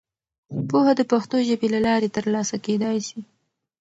پوهه د پښتو ژبې له لارې ترلاسه کېدای سي.